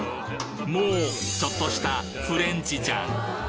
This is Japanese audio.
もうちょっとしたフレンチじゃん！